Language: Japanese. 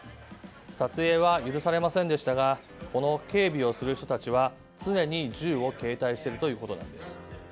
撮影は許されませんでしたが警備をする人たちは常に銃を携帯しているということなんです。